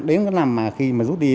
đến năm khi rút đi